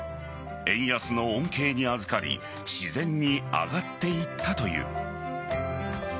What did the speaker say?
円安の恩恵にあずかり自然に上がっていったという。